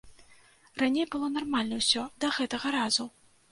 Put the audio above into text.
Раней было нармальна ўсё, да гэтага разу.